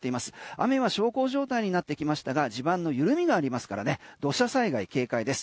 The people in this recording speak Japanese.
雨は小康状態になってきましたが地盤の緩みがありますからね土砂災害警戒です。